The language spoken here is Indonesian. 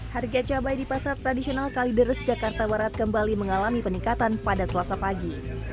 harga cabai di pasar tradisional kalideres jakarta barat kembali mengalami peningkatan pada selasa pagi